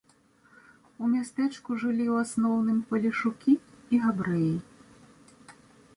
У мястэчку жылі ў асноўным палешукі і габрэі.